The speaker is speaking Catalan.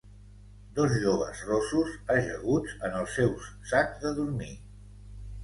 Dos joves rossos ajaguts en els seus sacs de dormir.